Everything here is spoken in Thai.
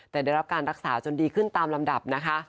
แต่ได้รับการรักษาจนดีขึ้นตามลำดับนะคะ